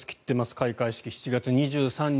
開会式、７月２３日。